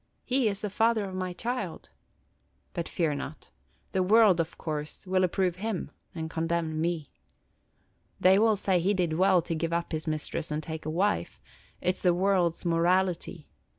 He is the father of my child! But fear not. The world, of course, will approve him and condemn me. They will say he did well to give up his mistress and take a wife; it 's the world's morality.